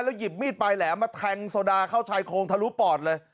หยิบมีดปลายแหลมมาแทงโซดาเข้าชายโครงทะลุปอดเลย